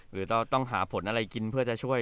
หรือต้องหาผลอะไรกินเพื่อจะช่วย